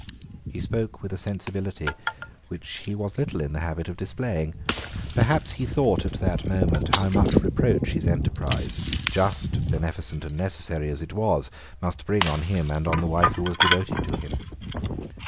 He spoke with a sensibility which he was little in the habit of displaying. Perhaps he thought at that moment how much reproach his enterprise, just, beneficent, and necessary as it was, must bring on him and on the wife who was devoted to him.